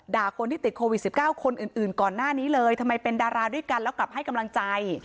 คนที่ติดโควิด๑๙คนอื่นก่อนหน้านี้เลยทำไมเป็นดาราด้วยกันแล้วกลับให้กำลังใจ